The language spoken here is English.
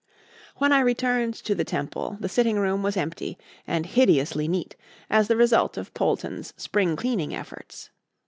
When I returned to the Temple, the sitting room was empty and hideously neat, as the result of Polton's spring cleaning efforts.